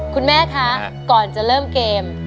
คุณแม่คะก่อนจะเริ่มเกม